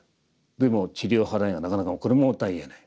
でも「塵を払え」がなかなかこれもまた言えない。